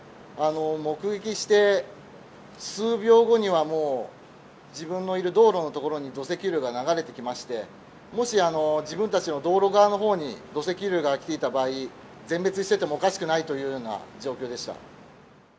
目撃して、数秒後にはもう自分のいる道路の所に、土石流が流れてきまして、もし自分たちの道路側のほうに土石流が来ていた場合、全滅しててもおかしくないというような状況でした。